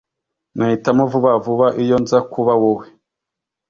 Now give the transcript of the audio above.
Nahitamo vuba vuba iyo nza kuba wowe